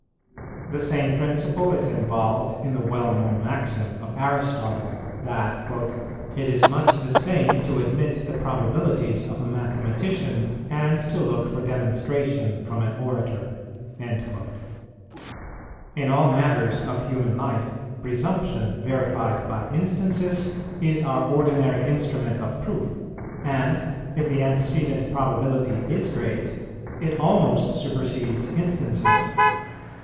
The same principle is involved in the well known maxim of Aristotle, that "it is much the same to admit the probabilities of a mathematician, and to look for demonstration from an orator." In all matters of human life, presumption verified by instances, is our ordinary instrument of proof, and, if the antecedent probability is great, it almost supersedes instances.